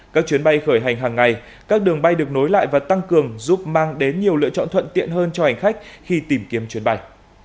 các chuyến bay khởi hành hàng ngày các đường bay được nối lại và tăng cường giúp mang đến nhiều lựa chọn thuận tiện hơn cho hành khách khi tìm kiếm chuyến bay